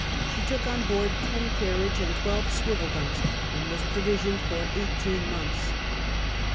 She took on board ten carriage and twelve smyel guns, and was provisioned for eighteen months.